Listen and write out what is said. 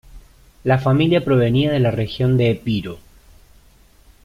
La familia provenía de la región de Epiro.